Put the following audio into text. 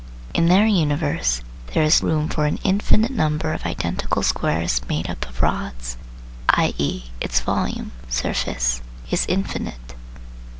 In their universe there is room for an infinite number of identical squares made up of rods, i.e. its volume (surface) is infinite.